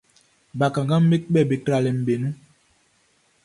Bakannganʼm be kpɛ be tralɛʼm be nun.